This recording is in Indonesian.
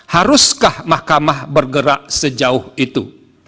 haruskah mahkamah bergerak sejauh itu